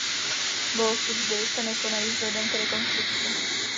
Bohoslužby se nekonají vzhledem k rekonstrukci.